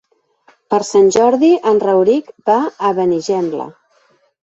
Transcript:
Per Sant Jordi en Rauric va a Benigembla.